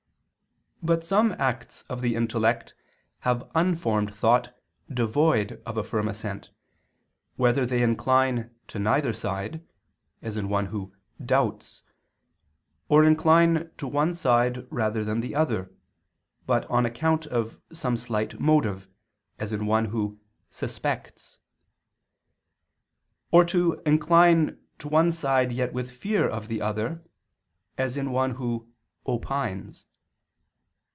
But some acts of the intellect have unformed thought devoid of a firm assent, whether they incline to neither side, as in one who "doubts"; or incline to one side rather than the other, but on account of some slight motive, as in one who "suspects"; or incline to one side yet with fear of the other, as in one who "opines."